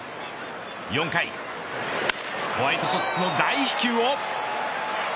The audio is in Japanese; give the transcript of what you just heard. ４回ホワイトソックスの大飛球を。